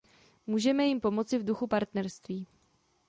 Můžeme jim pomoci v duchu partnerství.